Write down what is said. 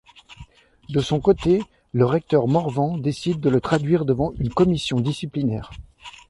De son côté, le recteur Morvan décide de le traduire devant une commission disciplinaire.